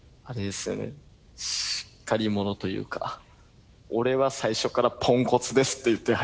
しっかり者というか俺は最初からポンコツですって言って入ってます。